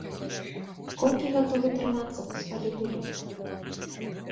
Колькі гатовы трымацца паспаліты люд?